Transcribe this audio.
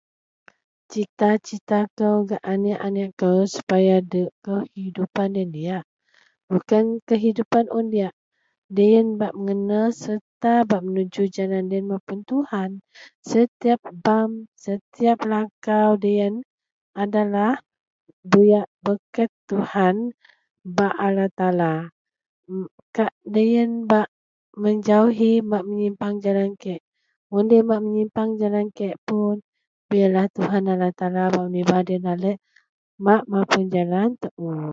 Cita-cita kou gak aneak-aneak kou sepaya de ke kehidupan diyak-diyak bukan kehidupan un diyak. Deyen bak mengena sereta menuju jalan loyen mapun Tuhan setiyap bam setiyap lakau deyen adalah buyak bereket Tuhan bak Allah Taala. Kak deyen bak menjauhi bak menyimpang jalan kek. Mun deloyen bak menyipang jalan kek pun bierlah Tuhan Allah Taala bak menibah deloyen balek bak mapun jalan tuu